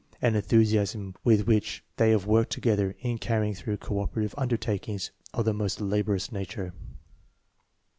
xii PREFACE and enthusiasm with which they have worked to gether in carrying through cooperative undertakings of the most laborious nature.